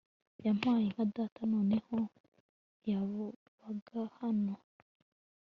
yampayinka data ! noneho ntiyabaga hano !